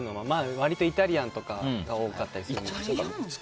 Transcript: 割とイタリアンとかが多かったりするんですけど。